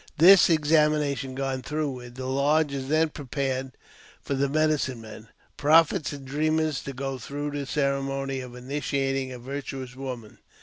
This examination gone through with, the lodge is then pre JAMES P. BECKWOUBTH. 243 pared for the medicine men, prophets, and dreamers to go through the ceremony of initiating a virtuous woman.